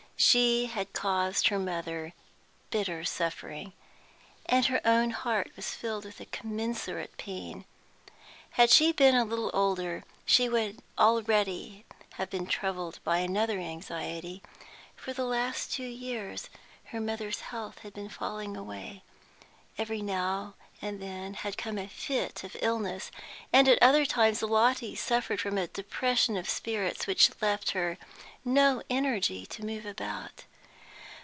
She had caused her mother bitter suffering, and her own heart was filled with a commensurate pain. Had she been a little older she would already have been troubled by another anxiety; for the last two years her mother's health had been falling away; every now and then had come a fit of illness, and at other times Lotty suffered from a depression of spirits which left her no energy to move about.